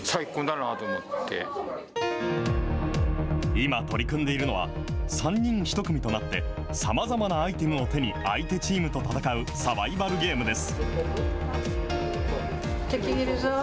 今、取り組んでいるのは、３人１組となって、さまざまなアイテムを手に相手チームと戦うサバイバルゲームです。